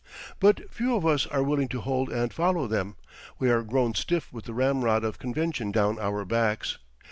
But few of us are willing to hold and follow them. We are grown stiff with the ramrod of convention down our backs.